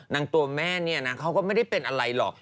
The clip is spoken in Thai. ตัวแม่เนี่ยนะเขาก็ไม่ได้เป็นอะไรหรอก